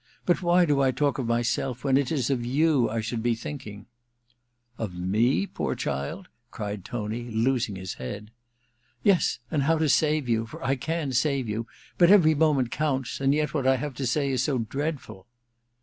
But why do I talk of myself, when it is of you I should be thinking ?' 338 A VENETIAN NIGHTS in ' Of me, poor child ?' cried Tony, losing his head. * Yes, and how to save you — for I can save you. But every moment counts — ^and yet what I have to say is so dreadful.'